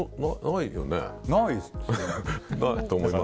ないと思います。